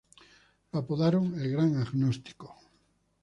Lo apodaron "El Gran Agnóstico".